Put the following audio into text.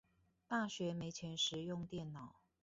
大學沒錢時用電腦